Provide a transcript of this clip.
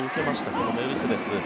このメルセデス。